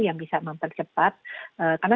yang bisa mempercepat karena